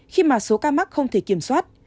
khi mà số ca mắc không thể kiểm soát